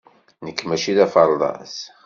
Nekk maci d aferḍas.